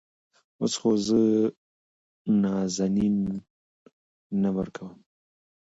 اوس خو زه نازنين نه ورکوم.